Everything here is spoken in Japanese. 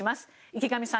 池上さん